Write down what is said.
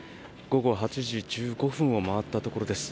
午後８時１５分を回ったところです。